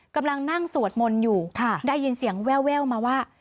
กำลังนั่งสวดมนต์อยู่ได้ยินเสียงแววมาว่า